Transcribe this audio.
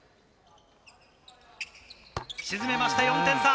沈めました、４点差。